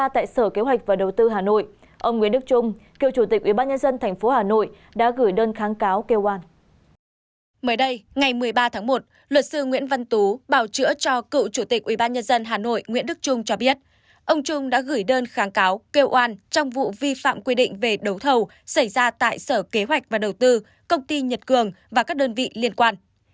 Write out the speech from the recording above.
theo cựu chủ tịch ubnd hà nội nguyễn đức trung cho biết ông trung đã gửi đơn kháng cáo kêu oan trong vụ vi phạm quy định về đấu thầu xảy ra tại sở kế hoạch và đầu tư công ty nhật cường và các đơn vị liên quan